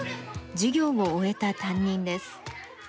授業を終えた担任です。